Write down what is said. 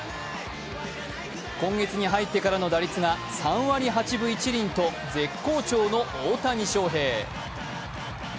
今月に入ってからの打率が３割８分１厘と絶好調の大谷翔平。